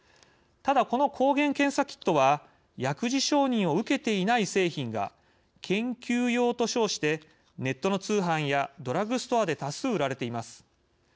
ただ、この抗原検査キットは薬事承認を受けていない製品が研究用と称してネットの通販やドラッグストアで多数売られています。